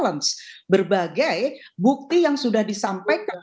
berbagai bukti yang sudah disampaikan